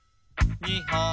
「２ほん」